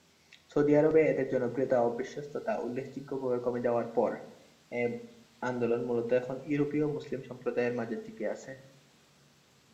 Saudi আরবে এদের জনপ্রিয়তা ও বিশ্বস্ততা উল্লেখযোগ্যভাবে কমে যাওয়ার পর, এ আন্দোলন মূলত এখন ইউরোপিয় মুসলিম সম্প্রদায়ের মাঝে টিকে আছে।